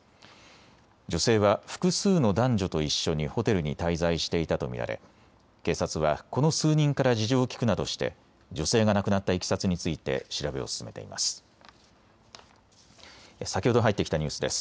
女性は複数の男女と一緒にホテルに滞在していたと見られ、警察はこの数人から事情を聞くなどして女性が亡くなった経緯について調べを進めています。